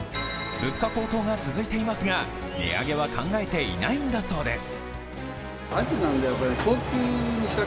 物価高騰が続いていますが値上げは考えていないんだそうです。